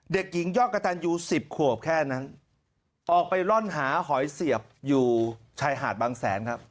เด็กหญิงยอดกระตันยูสิบขวบแค่นั้นออกไปร่อนหาหอยเสียบอยู่ชายหาดบางแสนครับ